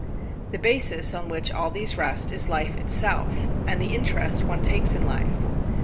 The basis on which all these rest is life itself, and the interest one takes in life.